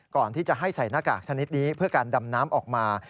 ก่อนที่จะให้ใส่หน้ากากชนิดนี้เพื่อการดำน้ำออกมา